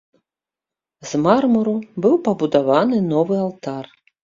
З мармуру быў пабудаваны новы алтар.